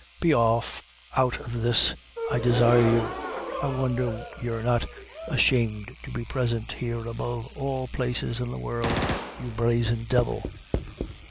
Be off out o' this, I desire you; I wondher you're not ashamed to be present here, above all places in the world, you brazen devil."